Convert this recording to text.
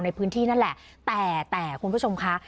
ในพื้นที่นั่นแหละแต่แต่คุณผู้ชมคะ